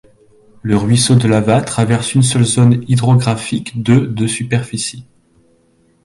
Le ruisseau de Lava traverse une seule zone hydrographique de de superficie.